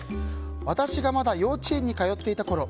私がまだ幼稚園に通っていたころ